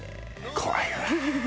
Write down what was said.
怖いわ。